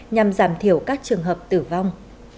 nhằm giảm thiểu các trường hợp tử vong